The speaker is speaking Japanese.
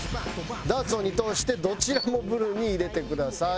ダーツを２投してどちらもブルに入れてください。